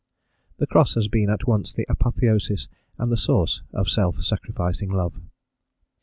The Cross has been at once the apotheosis and the source of self sacrificing love.